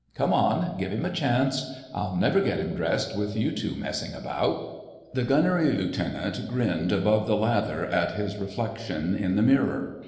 "Come on, give him a chance—I'll never get him dressed with you two messing about." The Gunnery Lieutenant grinned above the lather at his reflection in the mirror.